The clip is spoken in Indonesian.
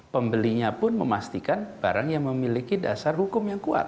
pembelinya pun memastikan barang yang memiliki dasar hukum yang kuat